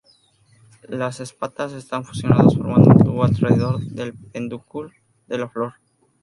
La espatas están fusionadas formando un tubo alrededor del pedúnculo de la flor.